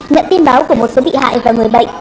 nhận tin báo của một số bị hại và người bệnh